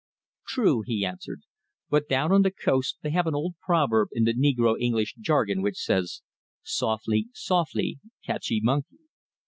"True," he answered. "But down on the Coast they have an old proverb in the Negro English jargon which says, 'Softly, softly catchee monkey.'